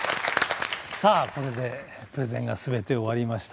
さあこれでプレゼンが全て終わりましたが。